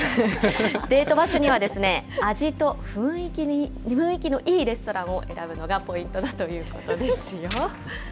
デート場所には味と雰囲気のいいレストランを選ぶのがポイントだということですよ。